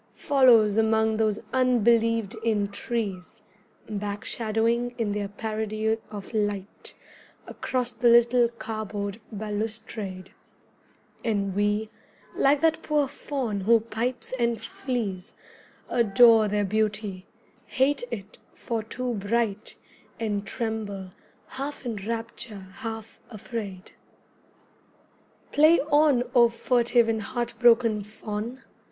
Follows among those unbelieved in trees Back shadowing in their parody of light Across the little cardboard balustrade; And we, like that poor Faun who pipes and flees, Adore their beauty, hate it for too bright, And tremble, half in rapture, half afraid. Play on, O furtive and heartbroken Faun!